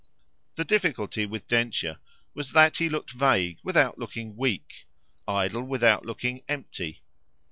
The difficulty with Densher was that he looked vague without looking weak idle without looking empty.